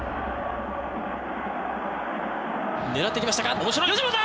狙ってきましたか。